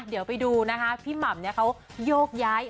เดี๋ยวไปดูนะคะพี่หม่ำเนี่ยเขาโยกย้าย